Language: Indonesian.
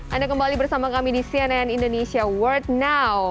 anda kembali bersama kami di cnn indonesia world now